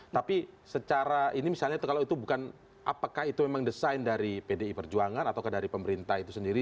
tapi secara ini misalnya kalau itu bukan apakah itu memang desain dari pdi perjuangan atau dari pemerintah itu sendiri